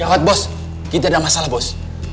hot bos kita ada masalah bos